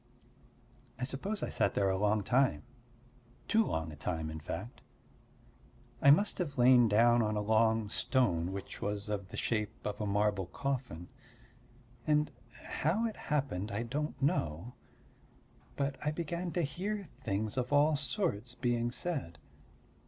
I suppose I sat there a long time too long a time, in fact; I must have lain down on a long stone which was of the shape of a marble coffin. And how it happened I don't know, but I began to hear things of all sorts being said.